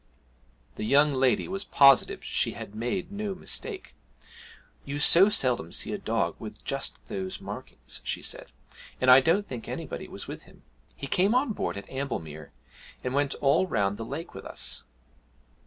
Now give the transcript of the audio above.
The young lady was positive she had made no mistake. 'You so seldom see a dog with just those markings,' she said, 'and I don't think anybody was with him; he came on board at Amblemere and went all round the lake with us.'